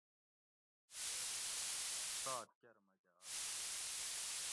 اے ماں رب سخت سات کۤر مکہ آسان